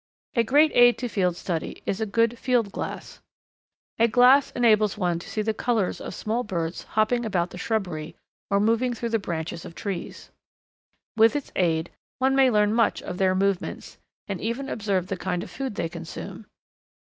A great aid to field study is a good Field Glass. A glass enables one to see the colours of small birds hopping about the shrubbery, or moving through the branches of trees. With its aid one may learn much of their movements, and even observe the kind of food they consume.